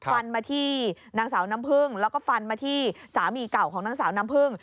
ฟันมาที่นางสาวน้ำพึ่งแล้วก็ฟันมาที่สามีเก่าของนางสาวน้ำพึ่ง